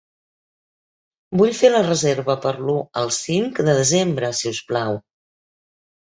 Vull fer la reserva per l'u al cinc de desembre, si us plau.